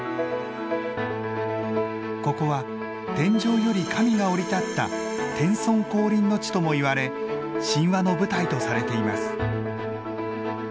ここは天上より神が降り立った天孫降臨の地ともいわれ神話の舞台とされています。